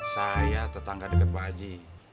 saya tetangga dekat pak haji